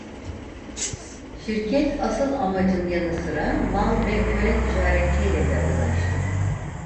Şirket asıl amacın yanı sıra mal ve köle ticaretiyle de uğraştı.